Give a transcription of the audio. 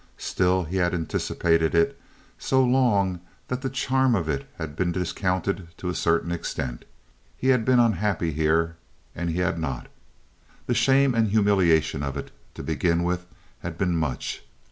Still, he had anticipated it so long that the charm of it had been discounted to a certain extent. He had been unhappy here, and he had not. The shame and humiliation of it, to begin with, had been much.